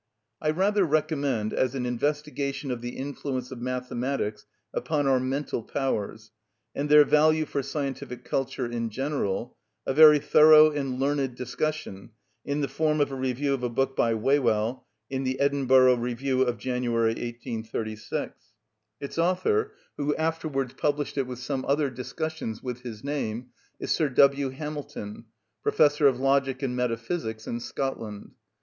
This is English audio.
I rather recommend, as an investigation of the influence of mathematics upon our mental powers, and their value for scientific culture in general, a very thorough and learned discussion, in the form of a review of a book by Whewell in the Edinburgh Review of January 1836. Its author, who afterwards published it with some other discussions, with his name, is Sir W. Hamilton, Professor of Logic and Metaphysics in Scotland.